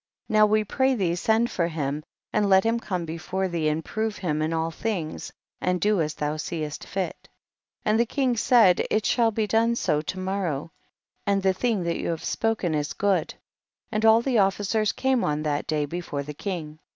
Now we pray thee send for him, and let him come before thee, and prove him in all things, and do as thou seest^^ 12. And the king said, it shall be done so to morrow, and the thing that you have spoken is good ; and all the officers came on that day be fore the king.